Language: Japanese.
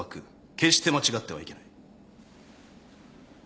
決して間違ってはいけない。